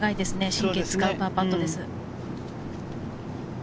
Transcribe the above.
神経を使うパーパットです。